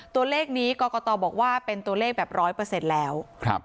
ตัวเลขนี้กรกตบอกว่าเป็นตัวเลขแบบร้อยเปอร์เซ็นต์แล้ว